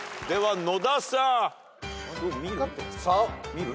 ・見る？